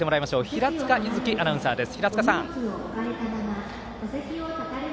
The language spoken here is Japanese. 平塚柚希アナウンサーです。